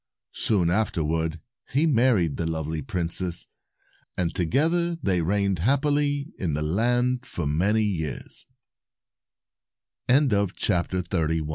Soon afterward he married the lovely princess, and together they reigned hap pily in the land for many years. 267 A MIRACLE.